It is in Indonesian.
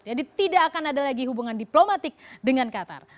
jadi tidak akan ada lagi hubungan diplomatik dengan qatar